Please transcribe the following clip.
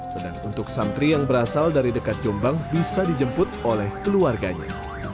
sedang untuk santri yang berasal dari dekat jombang bisa dijemput oleh keluarganya